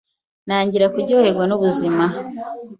ntangira kuryoherwa n’ubuzima